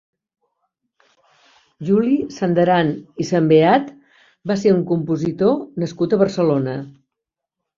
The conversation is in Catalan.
Juli Sandaran i Sambeat va ser un compositor nascut a Barcelona.